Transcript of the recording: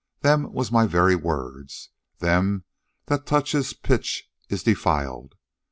Them was my very words. Them that touches pitch is defiled.